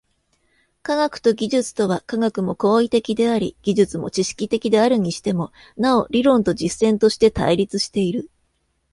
科学と技術とは、科学も行為的であり技術も知識的であるにしても、なお理論と実践として対立している。